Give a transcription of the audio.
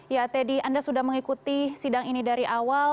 ya teddy anda sudah mengikuti sidang ini dari awal